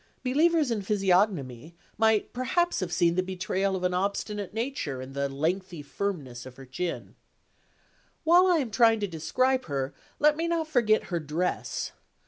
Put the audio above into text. Believers in physiognomy might perhaps have seen the betrayal of an obstinate nature in the lengthy firmness of her chin. While I am trying to describe her, let me not forget her dress.